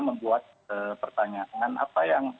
membuat pertanyaan apa yang